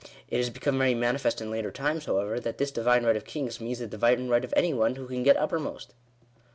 It has become very manifest in later times, however, that this divine right of kings, means the divine right of any one who can get uppermost.